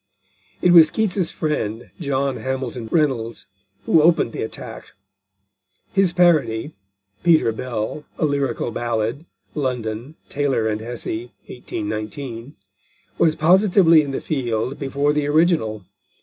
It was Keats's friend, John Hamilton Reynolds, who opened the attack. His parody (Peter Bell: a Lyrical Ballad. London, Taylor and Hessey, 1819) was positively in the field before the original.